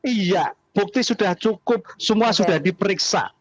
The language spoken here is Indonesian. iya bukti sudah cukup semua sudah diperiksa